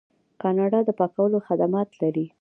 کاناډا د پاکولو خدمات لري.